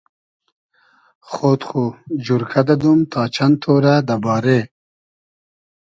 خۉد خو جورکۂ دئدوم تا چئند تۉرۂ دۂ بارې